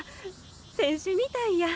選手みたいや。